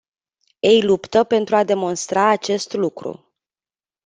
Ei luptă pentru a demonstra acest lucru.